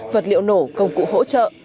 vật liệu nổ công cụ hỗ trợ